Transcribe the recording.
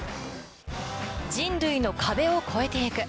人類の壁を超えていく。